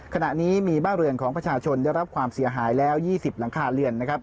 ขณะนี้มีบ้านเรือนของประชาชนได้รับความเสียหายแล้ว๒๐หลังคาเรือนนะครับ